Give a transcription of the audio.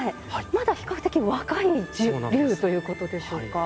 まだ比較的若い龍ということでしょうか。